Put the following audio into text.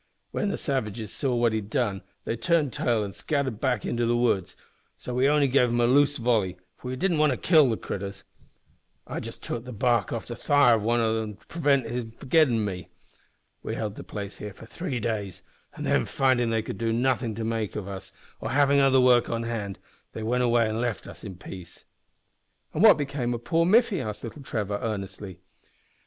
When the savages saw what he'd done they turned tail an' scattered back into the woods, so we only gave them a loose volley, for we didn't want to kill the critters. I just took the bark off the thigh of one to prevent his forgettin' me. We held the place here for three days, an' then findin' they could make nothin' of us, or havin' other work on hand, they went away an' left us in peace." "An' what became o' poor Miffy?" asked little Trevor, earnestly.